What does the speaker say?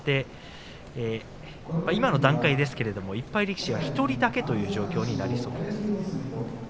今の段階ですけれど１敗力士は１人だけという状況になりそうです。